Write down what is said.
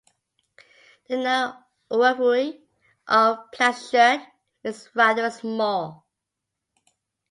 The known oeuvre of Plasschaert is rather small.